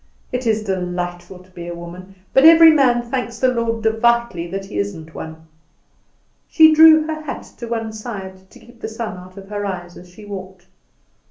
It is delightful to be a woman; but every man thanks the Lord devoutly that he isn't one." She drew her hat to one side to keep the sun out of her eyes as she walked.